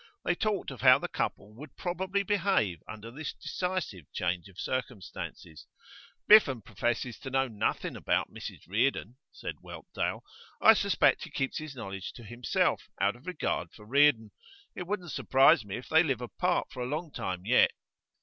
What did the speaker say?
They talked of how the couple would probably behave under this decisive change of circumstances. 'Biffen professes to know nothing about Mrs Reardon,' said Whelpdale. 'I suspect he keeps his knowledge to himself, out of regard for Reardon. It wouldn't surprise me if they live apart for a long time yet.